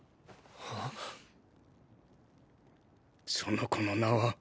その子の名は。